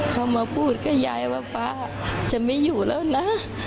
เขามาพูดกับยายว่าป๊าจะไม่อยู่แล้วนะ